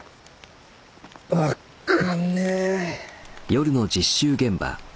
分っかんねえ。